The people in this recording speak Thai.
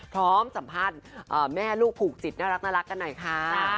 พร้อมสัมภาษณ์แม่ลูกผูกจิตน่ารักกันหน่อยค่ะ